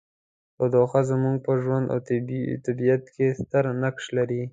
تودوخه زموږ په ژوند او طبیعت کې ستر نقش لري.